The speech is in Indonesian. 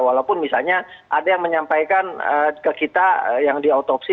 walaupun misalnya ada yang menyampaikan ke kita yang diotopsi